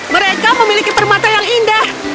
mereka memiliki permata yang indah